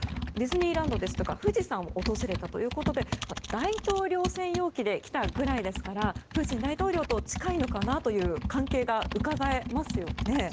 ディズニーランドですとか富士山を訪れたということで大統領専用機で来たぐらいですからプーチン大統領と近いのかなという関係がうかがえますよね。